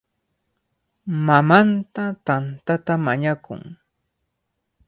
Mamanta tantata mañakun.